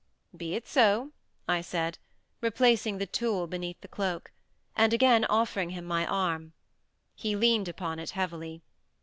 "Be it so," I said, replacing the tool beneath the cloak, and again offering him my arm. He leaned upon it heavily.